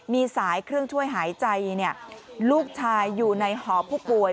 มีสายเครื่องช่วยหายใจลูกชายอยู่ในหอผู้ป่วย